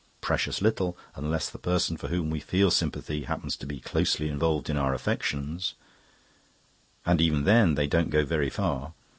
Precious little, unless the person for whom we feel sympathy happens to be closely involved in our affections; and even then they don't go very far.